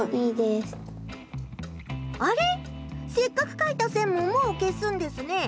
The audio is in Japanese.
せっかく書いた線ももう消すんですね。